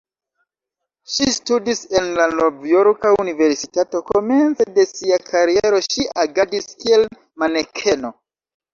Ŝi studis en la Novjorka Universitato, komence de sia kariero ŝi agadis kiel manekeno.